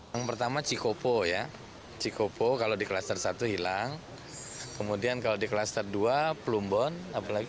yang pertama cikopo ya cikopo kalau di klaser satu hilang kemudian kalau di klaser dua plumbon apa lagi